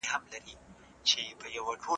بڼوال صیب، په اوږه باندي ګڼ توکي راوړه.